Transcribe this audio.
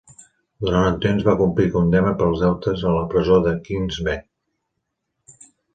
Durant un temps va complir condemna per deutes a la presó de Kings Bench.